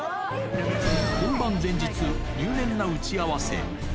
本番前日、入念な打ち合わせ。